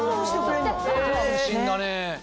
安心だね。